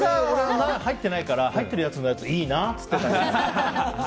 俺は入ってないから入ってるやついいなって。